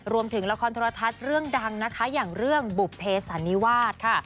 รวมถึงละครโทรทัศน์เรื่องดังนะคะอย่างเรื่องบุภเพสันนิวาสค่ะ